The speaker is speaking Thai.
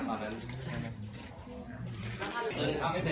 ไปเต้นโภร์